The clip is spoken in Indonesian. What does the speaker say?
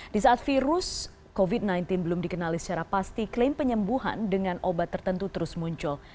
di saat virus covid sembilan belas belum dikenali secara pasti klaim penyembuhan dengan obat tertentu terus muncul